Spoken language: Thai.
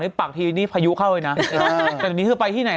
ปากทีนี่พายุเข้าเลยนะแต่ตรงนี้คือไปที่ไหน